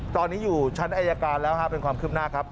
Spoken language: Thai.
ตอนนี้อยู่ชั้นอายการแล้วเป็นความคืบหน้าครับ